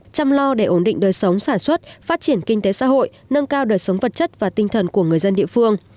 chăm lo để ổn định đời sống sản xuất phát triển kinh tế xã hội nâng cao đời sống vật chất và tinh thần của người dân địa phương